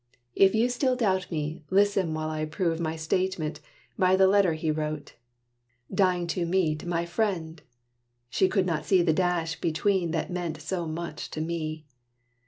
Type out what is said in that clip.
If you still doubt me, listen while I prove My statement by the letter that he wrote. 'Dying to meet my friend!' (she could not see The dash between that meant so much to me.)